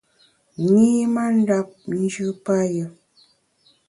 Nyi mandap njù payù.